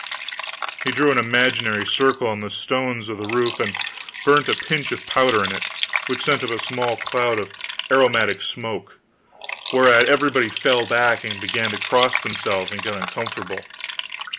He drew an imaginary circle on the stones of the roof, and burnt a pinch of powder in it, which sent up a small cloud of aromatic smoke, whereat everybody fell back and began to cross themselves and get uncomfortable.